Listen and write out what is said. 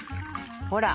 ほら。